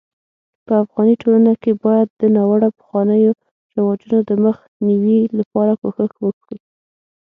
په افغاني ټولنه کي بايد د ناړوه پخوانيو رواجونو دمخ نيوي لپاره کوښښ وکړو